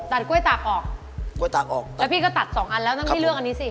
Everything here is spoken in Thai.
กล้วยตากออกกล้วยตากออกแล้วพี่ก็ตัดสองอันแล้วนั่นพี่เลือกอันนี้สิ